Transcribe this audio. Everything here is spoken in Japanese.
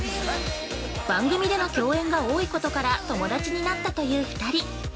番組での共演が多いことから友達になったという２人。